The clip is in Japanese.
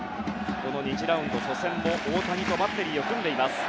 この２次ラウンド初戦も大谷とバッテリーを組んでいます